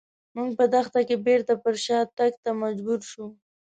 موږ په دښته کې بېرته پر شاتګ ته مجبور شوو.